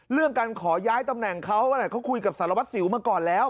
เรื่องการขอย้ายตำแหน่งเขาเขาคุยกับสารวัสสิวมาก่อนแล้ว